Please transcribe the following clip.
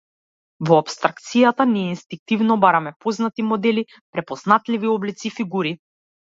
Во апстракцијата, ние инстинктивно бараме познати модели, препознатливи облици и фигури.